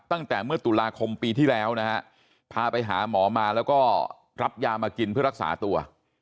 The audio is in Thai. ตั้งแต่เมื่อตุลาคมปีที่แล้วนะฮะพาไปหาหมอมาแล้วก็รับยามากินเพื่อรักษาตัว